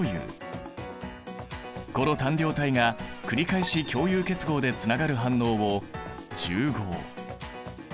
この単量体が繰り返し共有結合でつながる反応を重合。